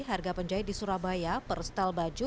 harga penjahit di surabaya per setel baju